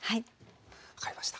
分かりました。